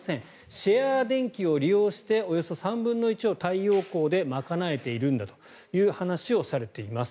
シェアでんきを利用しておよそ３分の１を太陽光で賄えているんだという話をされています。